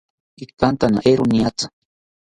Ikantana eero niatzi